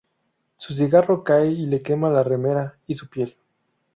Su cigarro cae y le quema la remera y su piel.